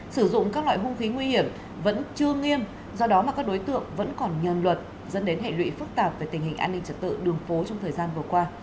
sử dụng các loại hung khí nguy hiểm vẫn chưa nghiêm do đó mà các đối tượng vẫn còn nhờn luật dẫn đến hệ lụy phức tạp về tình hình an ninh trật tự đường phố trong thời gian vừa qua